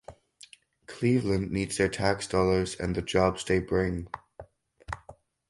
Cleveland needs their tax dollars and the jobs they bring.